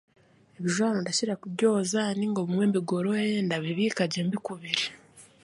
Ebijwaro ndakira kubyoza nainga obumwe mbigororere ndabibiika gye bikubire